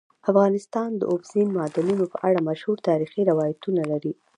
افغانستان د اوبزین معدنونه په اړه مشهور تاریخی روایتونه لري.